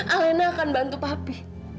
alena akan bantu papi